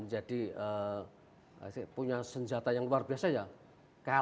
jadi punya senjata yang luar biasa ya